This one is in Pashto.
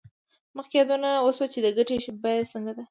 مخکې یادونه وشوه چې د ګټې بیه څنګه ده